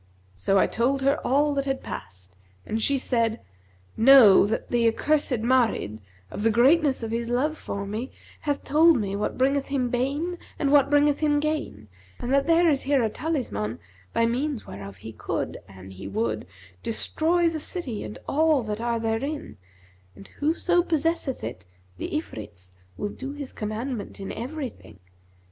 So I told her all that had passed, and she said, 'Know, that the accursed Marid, of the greatness of his love for me, hath told me what bringeth him bane and what bringeth him gain; and that there is here a talisman by means whereof he could, an he would, destroy the city and all that are therein; and whoso possesseth it, the Ifrits will do his commandment in everything.